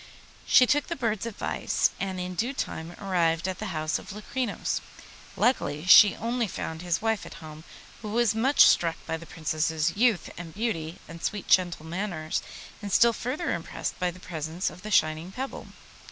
She took the bird's advice, and in due time arrived at the house of Locrinos. Luckily she only found his wife at home, who was much struck by the Princess's youth and beauty and sweet gentle manners, and still further impressed by the present of the shining pebble.